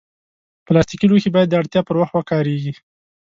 پلاستيکي لوښي باید د اړتیا پر وخت وکارېږي.